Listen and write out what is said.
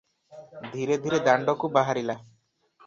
ଧୀରେ ଧୀରେ ଦାଣ୍ଡକୁ ବାହାରିଲା ।